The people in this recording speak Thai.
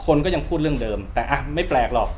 คนก็ยังพูดเรื่องเดิมแต่ไม่แปลกหรอก